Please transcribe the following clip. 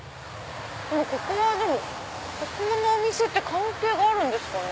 ここはここのお店って関係があるんですかね？